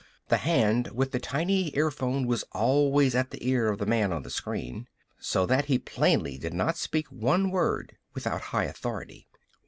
The hand with the tiny earphone was always at the ear of the man on the screen, so that he plainly did not speak one word without high authority.